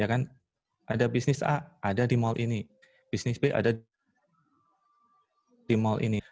ada bisnis a ada di mall ini bisnis b ada di mall ini